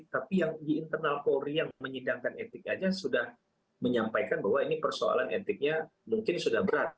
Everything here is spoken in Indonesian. tapi yang di internal polri yang menyidangkan etik saja sudah menyampaikan bahwa ini persoalan etiknya mungkin sudah berat